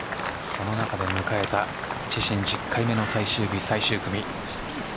その中で迎えた自身１０回目の最終日最終組。